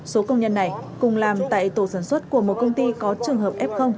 số công nhân này cùng làm tại tổ sản xuất của một công ty có trường hợp f